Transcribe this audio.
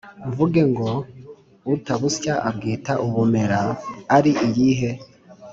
mvugo ngo: “utabusya abwita ubumera”ari iyihe?